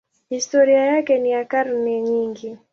Historia yake ni ya karne nyingi.